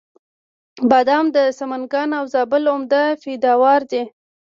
بادام د سمنګان او زابل عمده پیداوار دی.